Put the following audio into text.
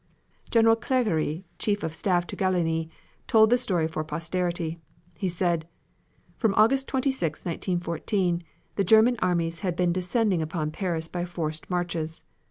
General Clergerie, Chief of Staff to Gallieni told the story for posterity. He said: "From August 26, 1914, the German armies had been descending upon Paris by forced marches.